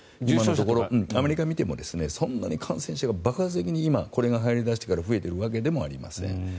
アメリカを見てもそんなに感染者が爆発的にこれがはやり始めてから増えているわけでもありません。